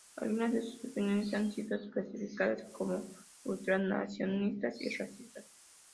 Algunas de sus opiniones han sido clasificadas como ultranacionalistas y racistas.